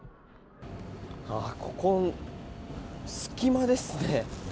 ここ、隙間ですね。